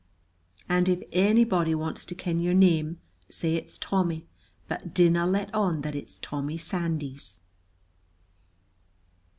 "And if ony body wants to ken your name, say it's Tommy, but dinna let on that it's Tommy Sandys."